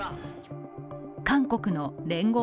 韓国の聯合